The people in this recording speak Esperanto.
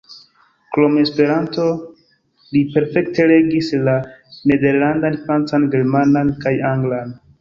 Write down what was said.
Krom Esperanto, li perfekte regis la nederlandan, francan, germanan kaj anglan.